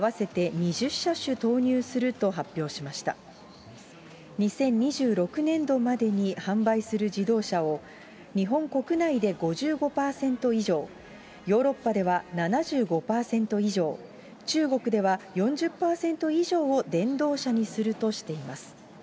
２０２６年度までに販売する自動車を日本国内で５５％以上、ヨーロッパでは７５％以上、中国では４０％以上を電動車にするとしています。